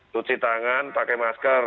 cuci tangan pakai masker